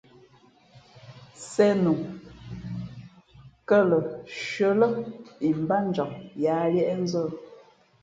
Sēn o kά lα nshʉα lά imbátjam yāā liéʼnzᾱ ?